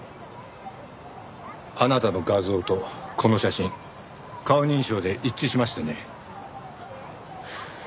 あなたの画像とこの写真顔認証で一致しましてね。